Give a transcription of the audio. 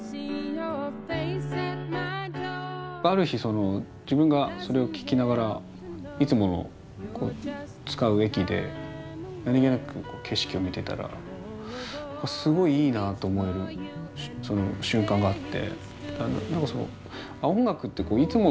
ある日自分がそれを聴きながらいつもの使う駅で何気なく景色を見てたらすごいいいなと思える瞬間があって。